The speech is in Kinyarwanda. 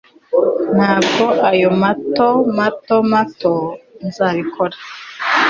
Ntabwo ayo mato mato mato nzabikora